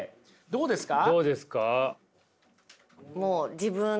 どうですか？